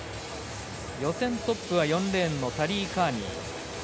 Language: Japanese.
予選トップは４レーンのタリー・カーニー。